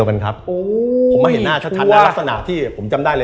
ทั้งสองคนเหรอ